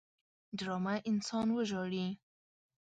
ډرامه انسان وژاړي